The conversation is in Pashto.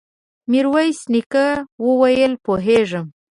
ميرويس نيکه وويل: پوهېږم.